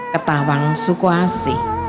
ketawang suku asih